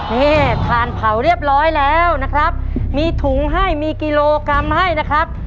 นี่ทานเผาเรียบร้อยแล้วนะครับมีถุงให้มีกิโลกรัมให้นะครับ